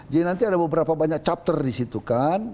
jadi nanti ada beberapa banyak chapter di situ kan